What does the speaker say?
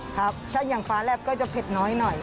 ครับถ้าอย่างฟ้าแลบก็จะเผ็ดน้อยหน่อย